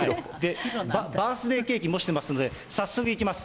バースデーケーキ模してますので、早速いきます。